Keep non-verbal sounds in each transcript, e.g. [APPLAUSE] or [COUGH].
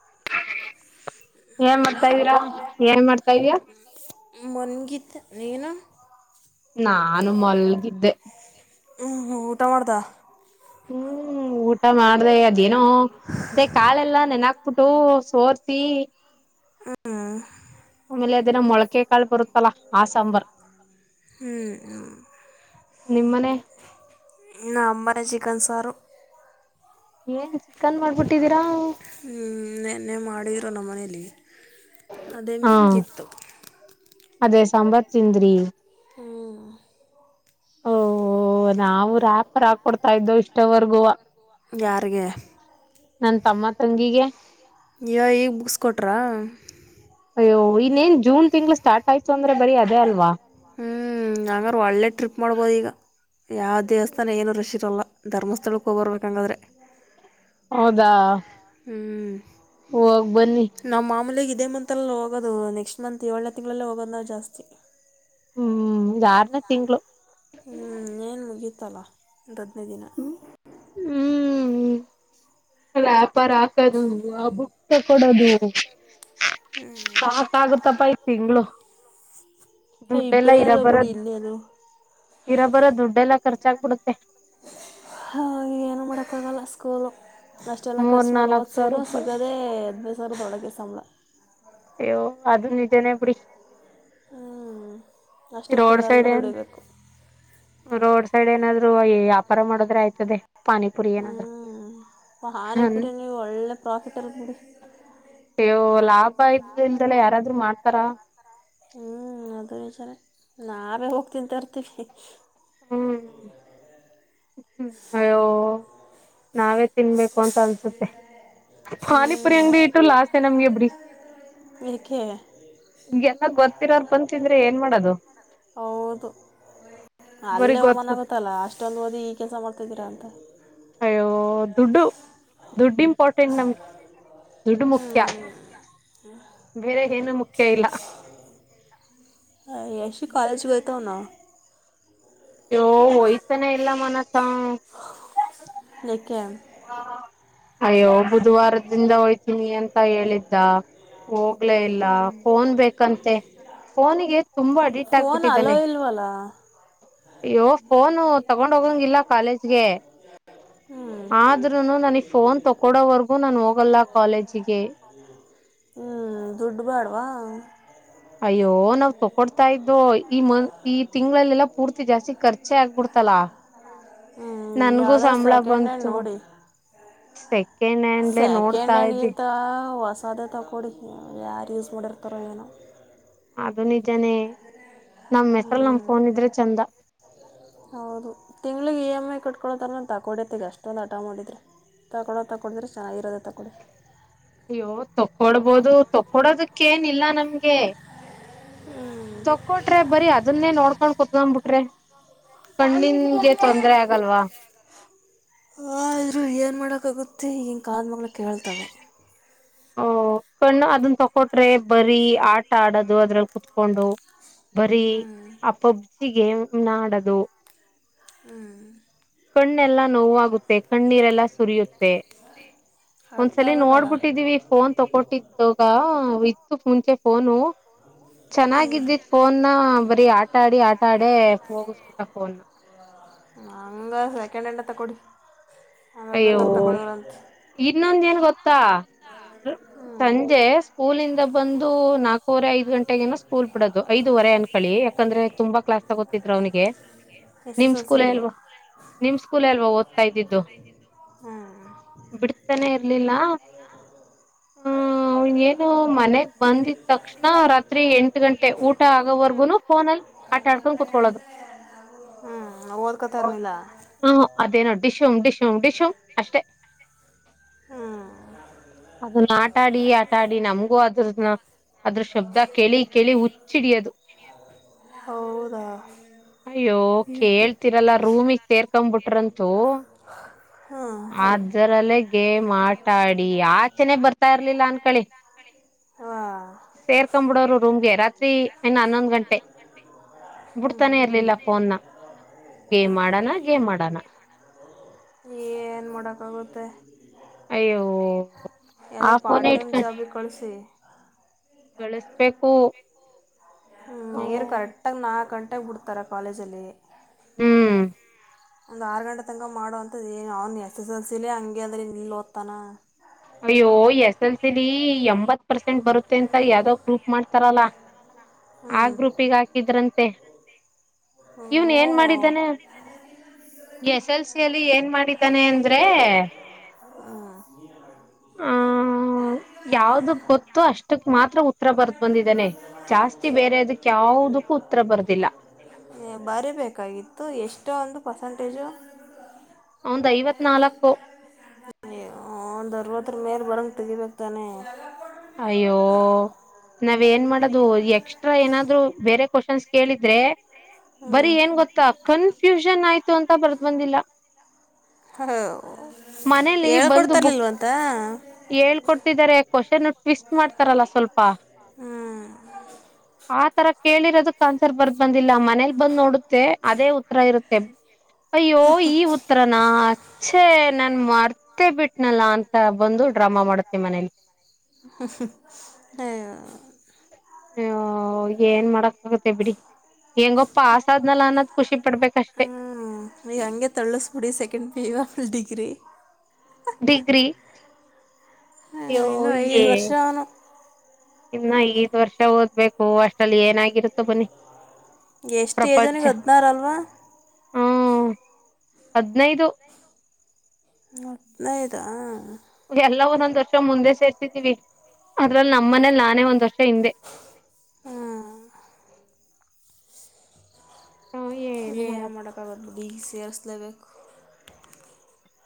[UNINTELLIGIBLE] ಏನ್ ಹಲೋ ಮಾಡ್ತಾ ಇದ್ದೀರಾ ಏನ್ ಮಾಡ್ತಾ ಇದಿಯ ಮನ್ಗಿದ್ದೆ ನೀನು ನಾನು ಮಲ್ಗಿದ್ದೆ ಹ್ಮ್ ಹ್ಮ್ ಉಟಮಡ್ದ ಹ್ಮ್ ಊಟ ಮಾಡ್ದೆ ಅದೇನೋ ಅದೆ ಕಾಳೆಲ್ಲಾ ನೆನಕ್ ಪ್ಪುಟ್ಟು ಸೋರ್ಸಿ ಹ್ಮ್ ಆಮೇಲೆ ಅದೇನೊ ಮೊಳಕೆ ಕಾಳ್ ಬರುತ್ತಲ್ಲ ಆ ಸಾಂಬಾರ್ ಹ್ಮುೂ ನಿಮ್ಮನೆ ನಮ್ಮನೆ ಚಿಕನ್ ಸಾರು ಏನು ಚಿಕನ್ ಮಾಡ್ಬಿಟ್ಟಿದ್ದೀರಾ ಟೋ ನಮ್ ಮನೇಲಿ ಅದೇ ಹಾ ಮಿಕ್ಕಿತ್ತು. ಅದೇ ಸಾಂಬಾರ್ ತಿಂದ್ರಿ ಹ್ಮೂ ಓ ನಾವು ರಾಪರ್ ಹಾಕ್ ಕೊಡ್ತಾ ಇದ್ದೋ ಇಷ್ಟವರ್ಗೂವ. ಯಾರಗೆ ನನ್ ತಮ್ಮ ತಂಗಿಗೆ ಇಯ್ಯು ಈಗ್ ಬುಕ್ಸ್ ಕೊಟ್ರಾ ಅಯ್ಯೋ ಇನ್ನೇನ್ ಜೂನ್ ತಿಂಗಳ ಸ್ಟಾರ್ಟ್ ಆಯ್ತು ಅಂದ್ರೆ ಬರೀ ಅದೇ ಅಲ್ವಾ ಹ್ಞೂ ಹಂಗರ್ ಒಳ್ಳೆ ಟ್ರಿಪ್ ಮಾಡ್ಬೋದು ಈಗ ಯಾವ ದೇವಸ್ಥಾನ ಏನೂ ರಶ್ ಇರಲ್ಲ. ಧರ್ಮಸ್ಥಳಕ್ಕೆ ಹೋಗ್ ಬರಬೇಕ್ ಹಂಗಾದ್ರೆ ಹೌದಾ ಹ್ಮೂ ಹೋಗ್ ಬನ್ನಿ ಇದೇ ಮಂತಲ್ಲಿ ಹೋಗೋದು ನೆಕ್ಸ್ಟ್ ಮಂತ್ ಏಳನೇ ತಿಂಗಳಗಳಲ್ಲಿ ಹೋಗೋದು ನಾವು ಜಾಸ್ತಿ ಹ್ಮೂ ಇದ ಆರನೇ ತಿಂಗಳು ಹ್ಮೂ ಇನೇನ್ ಮುಗಿತಲಾ ಒಂದ್ ಹದನೈದ್ ದಿನ ಹ್ಮೂ್ ರ್ಯಪರ್ ಹಾಕದು ಆ ಬುಕ್ ತಕ್ಕೊಡದು ಹ್ಞೂ ಸಾಕಗುತ್ತಪ್ಪ ಈ ತಿಂಗಳು ದುಡ್ಡಿಲ್ಲ ಇಬ್ಬರೇ ಅಲ್ಲ ಇರಾಬರ ಬಿಡಿ ಇನ್ನೇನು ಇರಾಬರೋ ದುಡ್ಡೆಲ್ಲ ಖರ್ಚಾಗ್ಬಿಡುತ್ತೆ. ಹಾ ಏನು ಮಾಡಕಾಗಲ್ಲ ಸ್ಕೂಲು ಅಷ್ಟೆಲ್ಲ ಮೂರ್ ಖರ್ಚು ಮಾಡಿ ನಾಲ್ಕ್ ಸಾವಿರ ಓದ್ಸನು ರೂಪಾಯಿ ಸಿಗೋದೇ ಹದನೈದ ಸಾವ್ರದೊಳಗೆ ಸಂಬಳ ಅಯ್ಯೋ ಅದು ನಿಜನೇ ಬುಡಿ ಹ್ಞೂ ಅಷ್ಟಕ್ಕೆ ರೋಡ್ ಸೈಡ್ ತಿಂಗಳೆಲ್ಲ ಏನ್ ದುಡಿಬೇಕು ರೋಡ್ ತಡಿ ಏನಾದ್ರು ವ್ಯಾಪಾರ ಮಾಡದ್ರೆ ಆಯ್ತದೆ. ಪಾನಿಪುರಿ ಹ್ಮೂ ಏನಾದ್ರು ಹನ್ ಪಾನಿಪುರಿನೆ ಈಗೊಳ್ಳೆ ಪ್ರಾಫಿಟ್ಟಲ್ ಬಿಡಿ ಅಯ್ಯೋ ಲಾಭ ಇದಿದ್ರಂಲೇ ಯಾರಾದ್ರರು ಮಾಡ್ತಾರ ಹ್ಞೂ ಅದು ನಿಜನೇ ನಾವೇ ಹೋಗ್ ತಿಂತೇರ್ತೀವಿ ಹ್ಮು [INAUDIBLE] ಅಯ್ಯೋ ನಾವೇ ತಿನ್ಬೇಕು ಅಂತ ಅನ್ಸುತ್ತೆ. ಹ್ಞೂ ಪಾನಿಪುರಿ ಅಂಗಡಿ ಇಟ್ಟು ಲಾಸೆ ನಮ್ಗೆ ಬುಡಿ ಯಾಕೆ ಎಲ್ಲ ಗೊತ್ತಿರೋರು ಬಂದು ತಿಂದ್ರೆ ಏನ್ ಮಾಡೋದು. ಹೌದು ಬರಿ ಅಲ್ಲೇ ಅವಮಾನ್ ಗೊತ್ತು ಆಗೈೂತಲ ಅಷ್ಟೆಲಾ ಓದಿ ಈ ಕೆಲಸ ಮಾಡ್ತಾದ್ದೀರಾ ಅಂತ ಅಯ್ಯೋ ದುಡ್ಡು ದುಡ್ಡು ಇಂಪಾರ್ಟೆಂಟ್ ನಮಗೆ ದುಡ್ಡು ಮುಖ್ಯ. ಹ್ಞೂ ಬೇರೆ ಏನು ಮುಖ್ಯ ಇಲ್ಲ ಯಶು ಕಾಲೇಜ ಹೊಯತವನ್ ಅಯ್ಯೋ ಹೊಯ್ತಾನೆ ಇಲ್ಲ ಮನಸಾ ನೆಕ್ಕೆ ಹಾ ಅಯ್ಯೋ ಬುಧವಾರದಿಂದ ಹೋಯ್ತೀನಿ ಅಂತ ಹೇಳಿದ್ದ ಹೊ ಹೊಗಲೇ ಇಲ್ಲ ಹ್ಞೂ ಫೋನ್ ಬೇಕಂತೆ ಫೋನಗೆ ತುಂಬಾ ಅಡಿಕ್ಟ್ ಆಗ್ಬಿಟ್ಟಿದ್ದಾನೆ. ವ ಅಯ್ಯೋ ಫೋನು ತಗೊಂಡ ಹೋಗಗಿಲ್ಲ ಕಾಲೇಜ್ಗೆ ಹ್ಞೂ ಆದ್ರೂನು ಗೊಲ್ಲ ಕಾಲೇಜಿಗೆ ಹ್ಮ್ ದುಡ್ಡು ಬಾಡವಾ ಅಯ್ಯೋ ನಾವ್ ತಕೊಡ್ತಾ ಇದ್ದೋ ಈ ಮ ಈ ತಿಂಗಳಲ್ಲೆಲ್ಲಾ ಪೂರ್ತಿ ಜಾಸ್ತಿ ಖರ್ಚೆ ಆಗ್ಬಿಡ್ತ. ಲಾ ಹ್ಞೂ ನನ್ಗೂ ಯಾವ್ದಾರು ಸಂಬಳ ಸೆಕೆಂಡ್ ಹ್ಯಾಂಡ್ ಬಂತು ನೋಡಿ ಸ. ಸೆಕೆಂಡ್ ಹ್ಯಾಂಡ್ ಇಂತ ವಸ್. ಸೊ ಅದೇ ತಗೋಡಿ ಯಾರು ಯೂಸ್ ಮಾಡಿರ್ತಾರೋ ಏನೋ. ಅದು ನಿಜಾನೆ. ನಮ್ ಹ್ಞೂ ಹೆಸ್ರಲ್ ನಮ್ ಫೋನ್ ಇದ್ರೆ ಚಂದ. ಕಟ್ಕೊತಾರ ತಗೊಡತ್ತತಿಗಷ್ಟೊಂದು ಆಟ ಮಾಡಿದ್ರೆ ತೊಳೋ ತಗೊಂಡಿದ್ರೆ ಚೆನ್ನಾಗಿರತ್ತೆ. ಅಯ್ಯೋ ತಕ್ಕೊಡ್ಬೋದು. ಕೊಡೋದಕ್ಕೇಏನಿಲ್ಲ ನಮ್ಗೆ. ತಕ್ಕೊಟ್ರೆ ಬರ ಅದನ್ನೇ ನೋಡ್ಕೊಂಡ್ ಕುೂತ್ಂಬಬಿಟ್ರಿ ಕಣ್ಣಿಂದ. ಹಾ ಹ ಇದ್ರು ಏನ್ ಮಾಡ. ಅಕ್ಕ ಗುತ್ತಿ ಈಗಿನ ಕಾದ ಮಳ ಕೇಳ್ತವೆ. ಹೂ. ಕಣ್ಣು ಅದನ್ನ ತಕೊಟ್ರೆ ಬರಿ ಆಟ ಆಡದು ಅದ್ರಲ್ಲಿ ಕುೂತ್ಕೊಂಡು. ಬರೀ ಹ್ಞೂ ಆ ಪಬ್ಜಿ ಗೇಮ್ ನಾಡದು. ಹ್ಮ್. ಕಣ್ಣೆಲ್ಲಾ ನೋವಾಗುತ್ತೆ ಕಣ್ಣೀರೆಲ್ಲ ಸುರಿಯುತ್ತೆ. ಅರ್ಥ ಒಂದ್ಸಲ ಆಗಬೇಕಲ್ಲ ನೋಡ್ಬಿಟ್ಟಿದೀವಿ ಫೋನ್ ತಕೊಟ್ಟಿದ್ದಾಗ ಇತ್ತು ಮುಂಚೆ ಫೋನು. [UNINTELLIGIBLE] ಚೆನ್ನಾಗಿದ್ದಿತ್ ಫೋನ್ನ ಬರೀ ಆಟಾಡಿ ಆಟಾಡ ಹೋಗಸ್ಕಟ ಫೋನ್ನಾ. ಹ [INAUDIBLE] [UNINTELLIGIBLE] ತಗೋಡಿ. ಅವಾಗ ಅಯ್ಯೋ ಬೇಕಾದು ತಗೊಳ್ಳಿರಂತೆ. ಇನ್ನೊಂದ ಏನ್ ಗೊತ್ತಾ ಹ್ಞೂ ಸಂಜೆ ಸ್ಕೂಲಿಂದ ಬಂದು. ನಾಲ್ಕೂವರೆ ಐದು ಗಂಟೆ ನ ಸ್ಕೂಲ್ ಬಿಡದು ಐದುವರೆ ಅನ್ಕಳಿ ಯಾಕಂದ್ರೆ ತುಂಬಾ ಕ್ಲಾಸ್ ತಗೋತಿದ್ರು ಅವನಿಗೆ. ಎಸ್ ಎಸ್ ನಿಮ್ ಎಲ್ ಸ್ಕೂಲ್ ಸಿಲಿ ಅಲ್ವಾ ನಿಮ್ ಸ್ಕೂಲ್ ಅಲ್ವಾ ಓದ್ತಾ ಇದ್ದಿದ್ದು. ಹ್ಞೂ ಬಿಡ್ತಾನೆ ಇರ್ಲಿಲ್ಲ. ಹ [INAUDIBLE] ಹ್ಮ ಏನು ಮನೆಗ್ ಬಂದಿದ ತಕ್ಷಣ ರಾತ್ರಿ ಎಂಟು ಗಂಟೆ ಊಟ ಆಗೋವರೆಗುನು ಫೋನಲ್ಲಿ. ಆಟ ಆಡ್ಕೊಂಡ ಕುೂತ್ಕೊಳ್ಳದು. ಹ್ಮ್ ನಾ ಓದ್ಕೊತ ಇರ್ನಿಲ್ಲ. ಹ್ಮ ಅದೇನೋ ಡಿಶುಮ್ ಡಿಶುಂ ಡಿಶುಮ್ ಅಷ್ಟೆ. ಹ್ಮ. ಅದನ್ನ ಆಟಾಡಿ ಆಟಾಡಿ ನಮ್ಗೂ ಅದ್ರನ್ನ. ಅದ್ರ ಶಬ್ದ ಕೇಳಿ ಕೇಳಿ ಹುಚ್ಚಿಡಿಯದು. ಹೌದಾ ಅಯ್ಯೋ ಹ್ಞೂ ಕೇಳ್ತೀರಲ್ಲ ರೂಮಿಗೆ ಸೇರ್ಕ್ ಬಿಟ್ರಂತ. ಆದರಲ್ಲೇ ಗೇಮ್ ಆಟ ಆಡಿ ಆಚೆನೆ ಬರ್ತಾ ಇರ್ಲಿಲ್ಲ ಅನ್ಕಳಿ. ವಾ ಸೇರ್ಕ್ಬಿಡೋರು ರೂಮ್ಗೆ ರಾತ್ರಿ ನ್ನ ಹನ್ನೊಂದು ಗಂಟೆ. ಹ್ಞೂ ಬಿಡ್ತಾನೆ ಇರ್ಲಿಲ್ಲ ಫೋನ್ ಗೇಮ್ ಮಾಡಣ ಗೇಮ್ ಮಾಡಣ. [UNINTELLIGIBLE] ಏನ್ ಮಾಡಕ್ಕಾಗುತ್ತೆ. ಅಯ್ಯೋ [INAUDIBLE] ಆ ಯದೋ ಫೋನೇ ಪಾರ್ಟ್ ಟೈಮ್ ಜಾಬಿಗೆ ಕಳಿಸ. [INAUDIBLE] ಸ್ಬೇಕು. ನರು ಕರೆಕ್ಟಾಗಿ ನಾಲ್ಕು ಗಂಟೆಗೆ ಬಿಡ್ತಾರೆ ಕಾಲೇಜಲ್ಲಿ. ಹ್ಮ್. ಒಂದ್ ಆರು ಗಂಟೆ ತನಕ ಮಾಡುವ ಅಂತದ ಏನು ಅವ್ನು ಎಸ್ ಎಸ್ ಎಲ್ಸಲಿ ಹಂಗೆ ಅಂದ್ರ ನೀಲ್ ಓದ್ತಾನ. ಅಯ್ಯೋ ಎಸ್ ಎಲ್ ಸಿಲಿ ಎಂಬತ್ ಪರ್ಸೆಂಟ್ ಬರುತ್ತೆ ಅಂತ ಯಾವ್ದಾವ್ ಗ್ರೂಪ್ ಮಾಡ್ತಾರಲ್ಲಾ. ಆ ಹ್ಞೂ ಗ್ರೂಪಿಗೆ ಹಾಕಿದ್ರಂತೆ. ಇವ್ನ್ ಓಹೋ ಏನ್ ಮಾಡಿದ್ದಾನೆ ಎಸ್ ಎಲ್ಸ ಅಲ್ಲಿ ಏನ್. ಏನ್ ಮಾಡಿದ್ದಾನೆ ಅಂದ್ರೆ. ಹ್ಮ್ ಹ್ಮ ಯಾವ್ದಕ್ ಗೊತ್ತು ಅಷ್ಟಕ್ ಮಾತ್ರ ಉತ್ತರ ಬರ್ದು್ ಬಂದಿದ್ದಾನನೆ ಜಾಸ್ತಿ ಬೇರೆ ಅದಕ್ ಯಾವದಕ್ಕೂ ಉತ್ತರ ಬರ್ದಿಲ್ಲ ಬರೀಬೇಕೇಕಾಗಿತ್ತು ಎಷ್ಟ ಒಂದು ಪರ್ಸೆಂಟೇಜು ಅವಂದು ಐವತ್ ನಾಲ್ಕು ಒಂದ್ ಅರ್ವದರ ಮೇಲೆ ಬರಂಗ ತೆಗಿಬೇಕಕ್ತಾನೆ ಅಯ್ಯೋ ನಾವ್ ಏನ್ ಮಾಡೋದು ಎಕ್ಸ್ಟ್ರಾ ಏನಾದ್ರು ಬೇರೆ ಕ್ವಶನ್ಸ್ ಕೇಳಿದ್ರೆ ಹ್ಞೂ ಬರಿ ಏನ್ ಗೊತ್ತಾ ಕನ್ಫ್ಯೂಷನ್ ಆಯ್ತು ಅಂತ ಬರ್ದ ಬಂದಿಲ್ಲ ಹ ಮನೇಲಿ ಬಂದು ಬುಕ್ ಹೇಳ್ಕೊಡ್ತಿದ್ದಾರೆ ಕ್ವಶನ್ ಟೆಸ್ಟ್ ಮಾಡ್ತಾರಲ್ಲ ಸ್ವಲ್ಪ ಹ್ಞೂ ಆ ತರ ಕೇಳಿರೋದಕ್ ಆನ್ಸರ್ ಬರ್ದ್ ಬಂದಿಲ್ಲ ಮನೇಲ್ ಬಂದ್ ನೋಡುತ್ತೆ ಅದೇ ಉತ್ತರ ಇರುತ್ತೆ ಅಯ್ಯೋ ಈ ಉತ್ತರನಾ ಅಚ್ಚೆ ನನ್ ಮರ್ತೇ ಬಿಟ್ನಲ್ಲ ಅಂತ ಬಂದು ಡ್ರಾಮಾ ಮಾಡುತ್ತೆ ಮನೇಲಿ [UNINTELLIGIBLE] ಅಯ್ಯೋ ಹಓ ಏನ್ ಮಾಡಕ್ ಆಾಗುತ್ತೆ ಬಿಡಿ ಹೆಂಗಪ್ಪ ಆಸ ಆದ್ನಲ್ಲ ಅನ್ನೋದ್ ಖುಷಿ ಪಡ್ಬೇಕಷ್ಟೇ ಹ್ಞೂ ಈ ವರ್ಷ ಡಿಗ್ರಿ ಡಿಗ್ರಿ ಅಯ್ಯೋ ಇನ್ನೂ ಐದು ವರ್ಷ ಅವನು ಇನ್ನ ಐದು ವರ್ಷ ಓದ್ಬೇಕು ಅಷ್ಟಲ್ಲಿ ಏನಾಗಿರುತ್ತೋ ಬನ್ನಿ ಎಷ್ಟು ಪ್ರಪಂಚ ಏಜ್ನಿಗೆ ಹದನಾರ ಅಲ್ವಾ ಹದಿನೆಯ್ದು [INAUDIBLE] ಎಲ್ಲಾ ಒಂದೊಂದ್ ವರ್ಷ ಮುಂದೆ ಸೇರ್ಸಿದೀವಿ ಅದ್ರಲ್ಲಿ ನಮ್ಮ ಮನೇಲಿ ನಾನೇ ಒಂದ್ ವರ್ಷ ಹಿಂದೆ ಹ್ಞೂ ಹ ಏನು ಏ ಮಾಡಕ್ ಮಾಡೋಕ್ಕ ಹಾಗುತೆ ಬಿಡಿ ಸೇರಿಸಲೇಬೇಕು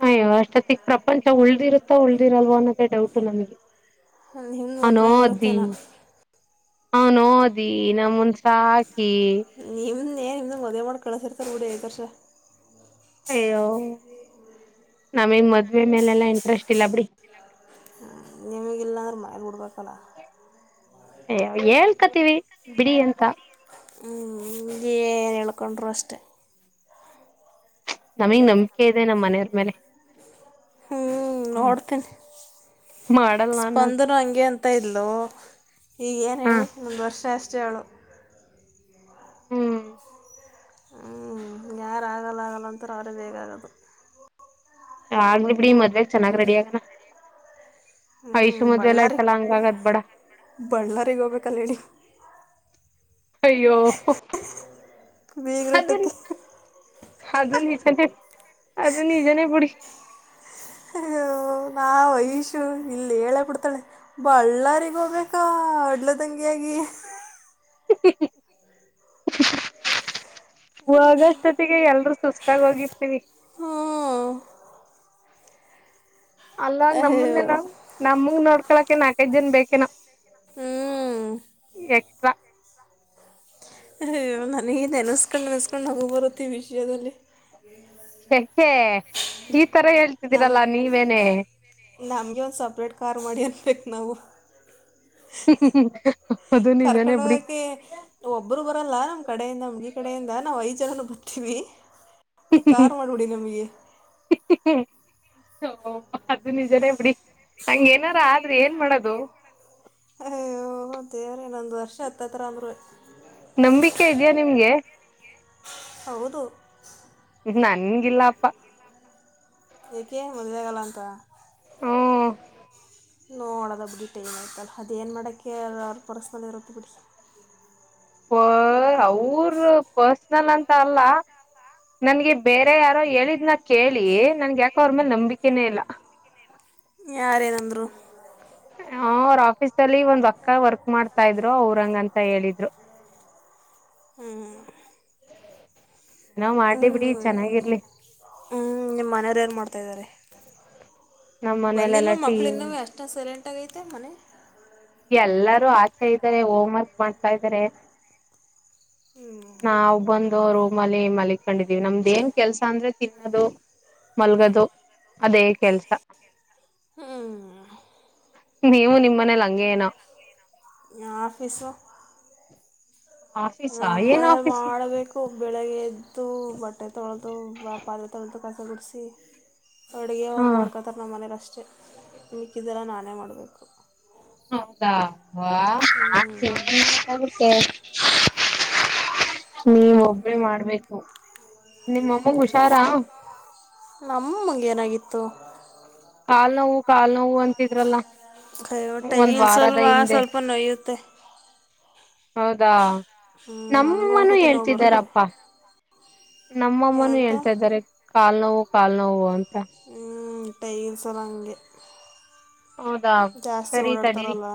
ಅಯ್ಯೋ ಅಷ್ಟೊತ್ತಗ್ ಪ್ರಪಂಚ ಉಳ್ದಿರುತ್ತಾ ಉಳ್ದಿರಲ್ವ ಅನ್ನೋದೇ ಡೌಟು ನಮಗೆ ನಿಮ್ದ ಮದುವೆಗರುತ್ತೇನಾ ನಾವು ಓದಿ ನಮ್ಮ ಸಾಕಿ ನಿಮ್ದೇನ್ ನಿಮ್ದ ಮದುವೆ ಮಾಡಿ ಕಳಸರ್ತಾರ ಬಿಡಿ ಕರ್ಷ ಅಯ್ಯೋ ನಮಿಗ್ ಮದ್ವೆ ಮೇಲೆಲ್ಲಾ ಇಂಟ್ರೆಸ್ಟ್ ಇಲ್ಲ ಬಿಡಿ ನಿಮಗೆಲ್ಲ ಅ ಮಾಡಡ್ಬೇಕ ಹೇಳ್ಕತಿೀವಿ ಬಿಡಿ ಅಂತ ಹ್ಞ ಏನು ಹೇಳ್ಕೊಂಡ್ರು ಅಷ್ಟೇ ನಮಗ್ ನಂಬಿಕೆ ಇದೆ ನಮ್ಮ ಮನೆಯವರ್ ಮೇಲೆ ಹ್ಮ್ ಹ್ಮ್ ನೋಡ್ತೀನಿ ಮಾಡಲ್ಲ ಅನ್ನೋದು ಸ್ಪಂದರು ಹಂಗೆ ಅಂತ ಇಲು ಈಗ ಏನು ಹ ಹೇಳಿ ಒಂದು ವರ್ಷ ಅಷ್ಟು ಜಳೋ ಹ್ಮ್ ಹ ಯಾರಾಗಲ್ಲ ಆಗಲ್ಲಂತಾರೆ ಅವ್ರೇ ಬೇೇಕಾಗದು ಆಗ್ಲಿ ಬಿಡಿ ಮದ್ವೆಗ ಚೆನ್ನಾಗ್ ರೆಡಿ ಆಗನ ಹ್ಞೂ ಐಶೂ ಮದುವೆ ಎಲ್ಲ ಆಯ್ತಲ್ಲ ಹಂಗಾಗದ್ ಬೇಡ ಬಳ್ಳಳ್ಳಾರಿಗೆ ಹೋಗ್ಬೇಕಲ್ಲ ನೀ ಅಯ್ಯೋ ಅದ ಬೀಗರೂಟಕ್ಕೆ ಅದು ನಿಜನೇ ಅದು ನಿಜನೇ ಬಿುಡಿ ಹ್ಮ ಅಯ್ಯೋ ನಾವು ಐಶೂ ಇಲ್ಲಿ ಹೇಳೇ ಬಿಡ್ತಾಳೆ ಬಳ್ಳಾರಿಗ ಹೋಗ್ಬೇಕ ಅಡ್ಲದಂಗೆ [UNINTELLIGIBLE] [UNINTELLIGIBLE] ಹಿ ಹಿ ವೊಗೋಷ್ಟೊತ್ತಿಗೆ ಎಲ್ರ ಸುಸ್ತಾಗೂಗಿರ್ತೀವಿ. ಹು ಅಲ್ವಾಗ್ ಅಯ್ಯೋ ನಮಂದನಾವ್ ನಮಂಗ ನೋಡ್ಕೊಕೆ ನಾಕಯ್ದ್ ಜನ ಬೇಕೇನೊ. ಹ್ಮ್ ಎಕ್ಸ್ಟ್ರಾ ಹ ಯೊ ನನಿಗ್ ನೆನಸ್ಕೊಂಡ್ ನೆನೆಸ್ಕೊಂಡ್ ನಗು ಬರುತ್ ಈ ವಿಷಯ್ದಲ್ಲಿ. ಯಕೆ ಈ ತರ ಹೇಳ್ತಿದ್ದೀರಲ್ಲ ನೀವೇನೆ. ನಮ್ಗೆ ಒಂದ್ ಸಪ್ರೇಟ್ ಕಾರ್ ಮಾಡಿ ಅನ್ಬೇಕ್ ನಾವು. ಹಃ ಹಃ ಹ ಕರ್ಕೊಂಡ್ ಹೋಗಕ್ಕೆ ಒಬ್ರು ಬರಲ್ಲ. ಕಡೆಯಿಂದ ನಮ್ ಈ ಕಡೆಯಿಂದ ನಾವು ಐದ್ ಜನನು ಬರ್ತೀವಿ. ಫುಲ್ ಕಾರ್ ಮಾಡ್ಬಿಡಿ ನಮ್ಗೆ. ಅದು ನಿಜನೇ ಬಿಡಿ ಹಂಗ್ ಏನಾರ ಆದ್ರೆ ಏನ್ ಮಾಡದು. ಹಾಯ್ಯೊ ದೇವ್ರೇ ಇನೊಂದ್ ವರ್ಷ ಹತ್ತತ್ರ ಅಂದ್ರುವೇ. ನಂಬಿಕೆ ಇದ್ಯಾ ನಿಮ್ಗೆ. ಹೌದು ನನ್ಗಿಲ್ಲಪ್ಪ ಯಾಕೆ ಮದ್ವೆ ಆಗಲ್ಲ ಅಂತ. ಹು ನೋಡದ ಬಿಡಿ ಟೈಮ್ ಆಯ್ತಲ್ಲ ಅದೇನ್ ಮಾಡಕ್ಕೆ ಪರ್ಸಲೆ ಇರುತ್ತೆ ಬಿಡಿ. ವ್ವ ಅವ್ರು ಪರ್ಸನಲ್ ಅಂತ ಅಲ್ಲ. ನನ್ಗೆ ಬೇರೆ ಯಾರೋ ಹೇಳಿದ್ನ ಕೇಳಿ ನನ್ಗೆ ಯಾಕೋ ಅವ್ರ ಮೇಲೆ ನಂಬಿಕೆನೇ ಇಲ್ಲ. ಹ ಯಾರೇನಂದ್ರು [UNINTELLIGIBLE] ಹ ಅವ್ರ ಆಫೀಸ್ ದಲ್ಲಿ ಒಂದ್ ಅಕ್ಕ ವರ್ಕ್ ಮಾಡ್ತಾ ಇದ್ರು ಅವರಂಗಂತ ಹೇಳಿದ್ರು. ಹ್ಮ್ ಏನೋ ಮಾಡ್ಲಿ ಹ್ಮ್ ಬಿಡಿ ಮನಿ ಚೆನ್ನಾಗಿರ್ಲಿ ಹ್ಮ್ ನಿಮ್ಮ ಮನೆಯವ್ರ್ ಏನ್ ಮಾಡ್ತಿದಾರೆ. ನಮ್ಮ್ ಬಂದಿಲ್ಲ ಮನೇಲೆಲ್ಲಾ ಟೀ ಮಕ್ಕಳಿನುವ್ವೆ ಅಷ್ಟೋನ್ ಸೈಲೆಂಟಾಗೈತೆ ಮನೆ. ಎಲ್ಲಾರೂ ಆಚೆ ಇದ್ದಾರೆ ಹೋಮ್ ವರ್ಕ್ ಮಾಡ್ತಾ ಇದ್ದಾರೆ. ಹ್ಞೂ ನಾವ್ ಬಂದೊರು. ಮಲ್ಲಿ ಕೊಂಡಿದೀವಿ ನಮ್ದ ಏನ್ ಕೆಲ್ಸ ಅಂದ್ರೆ ತಿನ್ನದು. ಮಲ್ಗದು ಅದೇ ಕೆಲ್ಸ. ಹ್ಮ್ ನೀವು ನಿಮ್ ಮನೇಲ್ ಹಂಗೆ ಏನೊ. ಆಫೀಸು ಆಫೀಸಾ ಏನ್ ನಮ್ಮನೆಲ್ಲ ಆಫೀಸ್ ಮಾಡ್ಬೇಕು ಬೆಳಿಗ್ಗೆ ಎದ್ದು ಬಟರ್ ತೊಳ್ದು ಬಾ ಪಾದ್ರೆ ತೋಳ್ದು ಕಸ ಗುಡ್ಸಿ. ಅಡ್ಗೆ ಹಾ ಒಂಡ್ ಮಾಡ್ಕೊರ್ ನಮ್ ಮನೆವ್ರ್ ಅಷ್ಟೇ ಮಿಕ್ಕಿದೆಲಾ ನಾನೇ ಮಾಡ್ಬೇಕು. ಹೌದಾ ವಾ [UNINTELLIGIBLE] ಹ್ಮ್ ಟ್ಟೆ. ನೀವ್ ಒಬ್ಬರೆ ಮಾಡ್ಬೇಕು ನಿಮ್ಮಂಗ್ ಹುಷಾರಾ. ನಮ್ಮಂಗ್ ಏನಾಗಿತ್ತು. ಕಾಲ್ ನೋವು ಕಾಲ್ ನೊವು ಅಂತಿದ್ರಲ್ಲ ಒಂದ್ ಟೈಲ್ಸ್ ವಾರದ ಅಲ್ವಾ ಹಿಂದೆ. ಸ್ವಲ್ಪ ನೋಯುತ್ತೆ ಹೌದಾ ಹ್ಮ್, ನನಗೂ ನಮ್ಮನೂ ಒಂದ್ಸತಿ ನೋವು ಬರುತ್ತೆ ಹೇಳ್ತಿದ್ದಾರಪ್ಪಾ. ನಮ್ಮಮ್ಮನು ಏನಂತ ಹೇಳ್ತಾ ಇದ್ದಾರೆ ಕಾಲ್ ನೋವು ಕಾಲ್ ನೋವು ಅಂತ. ಹ್ಮ ಟೈಲ್ ಸರ ಹಂಗೆ. ಹೌದಾ ಜಾಸ್ತಿ ಸರಿ ಓಡಾಡ್ತಾರ ತಡೀರಿ ಅಲ್ವಾ.